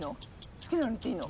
好きなのいっていいの？